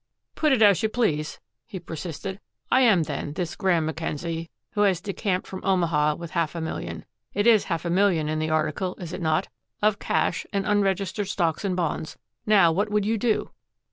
"Put it as you please," he persisted. "I am, then, this Graeme Mackenzie who has decamped from Omaha with half a million it is half a million in the article, is it not? of cash and unregistered stocks and bonds. Now what would you do?"